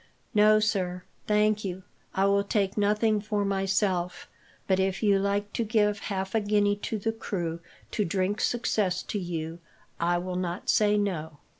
No, sir, thank you; I will take nothing for myself, but if you like to give half a guinea to the crew, to drink success to you, I will not say no."